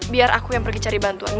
biar aku yang pergi cari bantuan